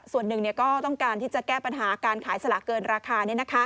ส่วนหนึ่งก็ต้องการที่จะแก้ปัญหาการขายสลากเกินราคา